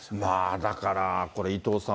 だから、これ、伊藤さん